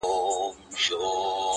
• تر بل ډنډ پوري مي ځان سوای رسولای -